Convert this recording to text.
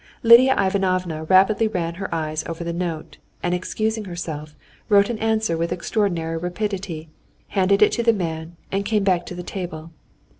Lidia Ivanovna rapidly ran her eyes over the note, and excusing herself, wrote an answer with extraordinary rapidity, handed it to the man, and came back to the table.